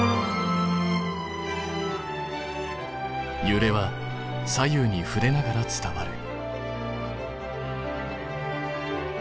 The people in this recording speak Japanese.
ゆれは左右にふれながら伝わる。